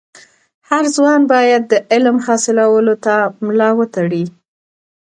هر ځوان باید د علم حاصلولو ته ملا و تړي.